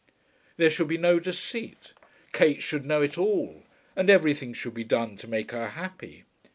There should be no deceit. Kate should know it all, and everything should be done to make her happy.